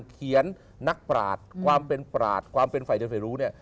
นักปราศความเป็นปราศความเป็นฝ่ายเดียวฝ่ายรู้เนี่ย